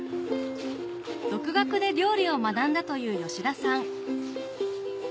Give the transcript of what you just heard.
独学で料理を学んだという吉田さん